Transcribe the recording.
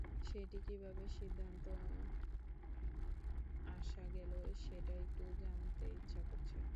সেটি কিভাবে সিদ্ধন্ত আসা গেল, সেটা একটু জানতে ইচ্ছা করছে।